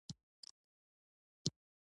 له هند څخه نخي او ململ ټوکر واردېدل.